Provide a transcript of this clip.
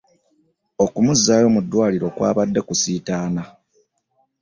Okumuzzaayo mu ddwaaliro kwabadde kusiitaana.